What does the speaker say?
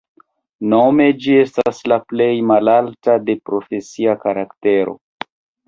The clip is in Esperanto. Nome ĝi estas la plej malalta de profesia karaktero.